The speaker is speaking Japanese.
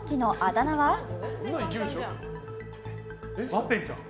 ワッペンちゃん。